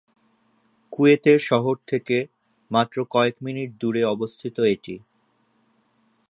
কুয়েতের শহর থেকে মাত্র কয়েক মিনিট দুরে অবস্থিত এটি।